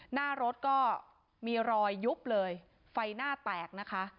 หน้ารถก็มีรอยยุบเลยไฟหน้าแตกนะคะ